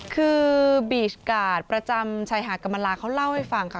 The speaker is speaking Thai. คือบีชการ์ดประจำชายหาดกรรมลาเขาเล่าให้ฟังค่ะ